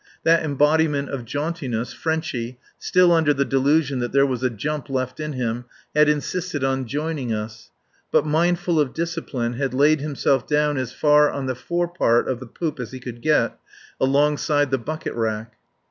That embodiment of jauntiness, Frenchy, still under the delusion that there was a "jump" left in him, had insisted on joining us; but mindful of discipline, had laid himself down as far on the forepart of the poop as he could get, alongside the bucket rack.